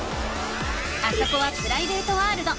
あそこはプライベートワールド。